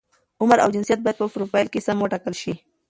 عمر او جنسیت باید په فروفیل کې سم وټاکل شي.